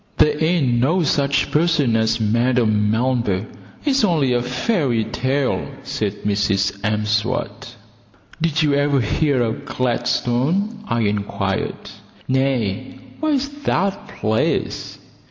"There ain't no such person as Madame Melber; it's only a fairy tale," said Mrs M'Swat. "Did you ever hear of Gladstone?" I inquired. "No; where is that place?"